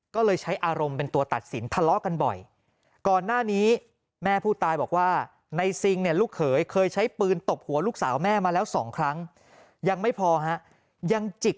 ก็เลยใช้อารมณ์เป็นตัวตัดสินทะเลาะกันบ่อย